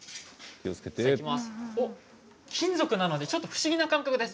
金属なので不思議な感覚です。